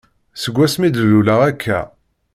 Deg wasmi d-luleɣ akka.